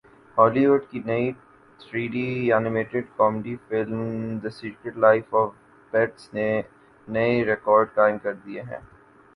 ہالی وڈ کی نئی three D animated comedy film the secret life of pets نے نئے ریکارڈز قائم کر دیے ہیں